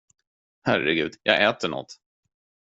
Herregud, jag äter något!